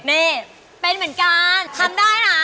นี่เป็นเหมือนกันทำได้นะ